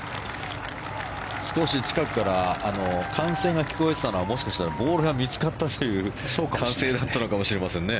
少し近くから歓声が聞こえていたのはもしかしたらボールが見つかったという歓声だったのかもしれませんね。